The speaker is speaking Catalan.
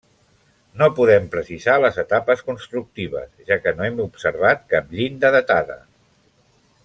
No podem precisar les etapes constructives, ja que no hem observat cap llinda datada.